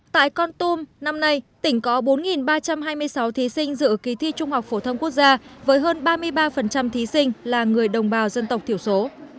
tại con tum năm nay tỉnh có bốn ba trăm hai mươi sáu thí sinh dự kỳ thi trung học phổ thông quốc gia với hơn ba mươi ba thí sinh là người đồng bào dân tộc thiểu số